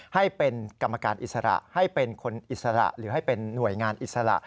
ให้เป็นกรรมการอิสระให้เป็นคนอิสระหรือให้เป็นหน่วยงานอิสระ